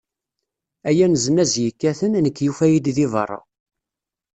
Ay aneznaz yekkaten, nekk yufa-yi-d di berra.